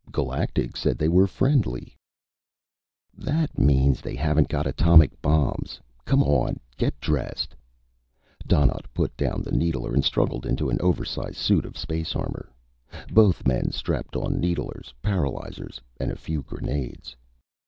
"Galactic said they were friendly." "That means they haven't got atomic bombs. Come on, get dressed." Donnaught put down the needler and struggled into an oversize suit of space armor. Both men strapped on needlers, paralyzers, and a few grenades.